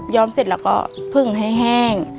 เสร็จแล้วก็ผึ่งให้แห้ง